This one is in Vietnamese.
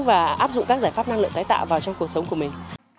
và áp dụng các giải pháp năng lượng tái tạo vào trong cuộc sống của mình